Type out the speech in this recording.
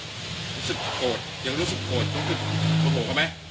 รู้สึกโกรธยังรู้สึกโกรธรู้สึกโกรธกับแม่